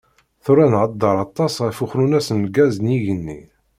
Tura nhedder aṭas ɣef uxnunnes n lgaz n yigenni.